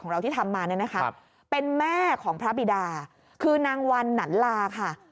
เราที่ทำมาเนี่ยนะคะเป็นแม่ของพระบิดาคือนางวันหนันลาค่ะ